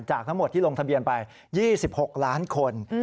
ทั้งหมดที่ลงทะเบียนไป๒๖ล้านคน